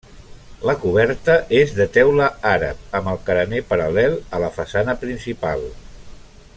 La coberta és de teula àrab amb el carener paral·lel a la façana principal.